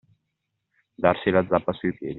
Darsi la zappa sui piedi.